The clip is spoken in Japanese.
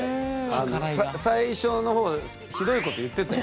最初のほうヒドいこと言ってたよ。